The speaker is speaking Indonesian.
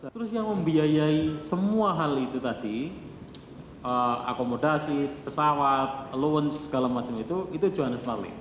terus yang membiayai semua hal itu tadi akomodasi pesawat alunce segala macam itu itu johannes marlim